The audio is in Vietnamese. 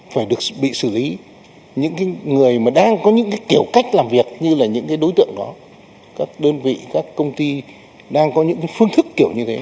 phải được bị xử lý những người mà đang có những kiểu cách làm việc như là những đối tượng đó các đơn vị các công ty đang có những phương thức kiểu như thế